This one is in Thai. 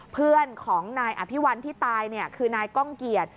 เพื่อนของนายอภิวัลที่ตายคือนายก้องเกียจ